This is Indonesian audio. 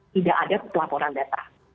tidak ada pelaporan data